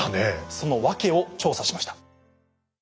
その訳を調査しました。